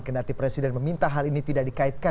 kenati presiden meminta hal ini tidak dikaitkan